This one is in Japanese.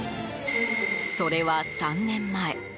それは３年前。